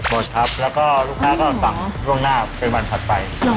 หมดครับแล้วก็ลูกค้าก็สั่งล่วงหน้าเป็นวันถัดไป